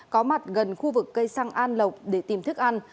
có mặt gần khu vực cây xăng an lộc để tìm thức ăn